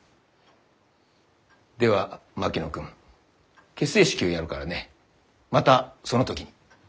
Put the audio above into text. では槙野君結成式をやるからねまたその時に。